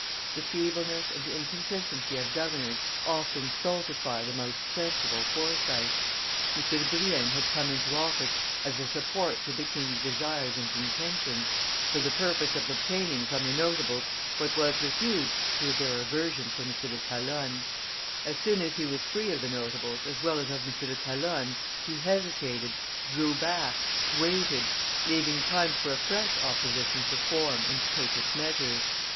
The feebleness and inconsistency of governors often stultify the most sensible foresight. M. de Brienne had come into office as a support to the king's desires and intentions, for the purpose of obtaining from the notables what was refused through their aversion for M. de Calonne; as soon as he was free of the notables as well as of M. de Calonne, he hesitated, drew back, waited, leaving time for a fresh opposition to form and take its measures.